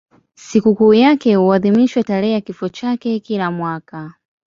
Sikukuu yake huadhimishwa tarehe ya kifo chake kila mwaka.